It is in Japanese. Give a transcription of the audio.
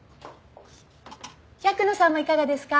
百野さんもいかがですか？